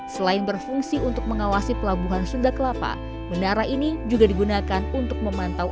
selain berfungsi untuk mengawasi pelabuhan sunda kelapa menara ini juga digunakan untuk memantau